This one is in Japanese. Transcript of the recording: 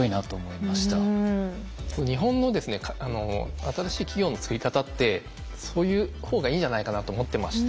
日本のですね新しい企業のつくり方ってそういう方がいいんじゃないかなと思ってまして。